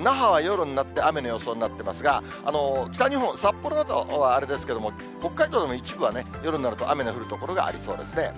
那覇は夜になって雨の予想になってますが、北日本、札幌などはあれですけれども、北海道でも一部はね、夜になると雨の降る所がありそうですね。